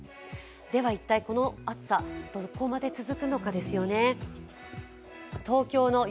では一体この暑さ、どこまで続くかですよね。